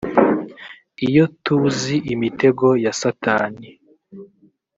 iyo tuzi imitego ya satani